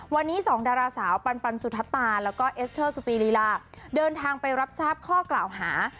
วันนี้สองดาราสาวปันสุธตาแล้วก็เอสเตอร์สุปีรีลาเดินทางไปรับทราบข้อกล่าวหา